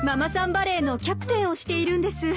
バレーのキャプテンをしているんです。